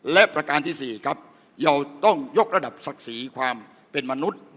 และประการที่๔ครับเราต้องยกระดับศักดิ์ศรีความเป็นมนุษย์